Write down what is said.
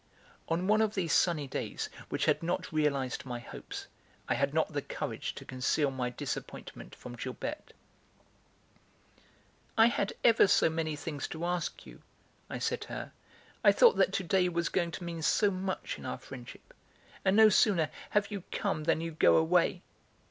On one of these sunny days which had not realised my hopes, I had not the courage to conceal my disappointment from Gilberte. "I had ever so many things to ask you," I said to her; "I thought that to day was going to mean so much in our friendship. And no sooner have you come than you go away!